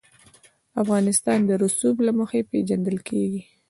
افغانستان د رسوب له مخې پېژندل کېږي.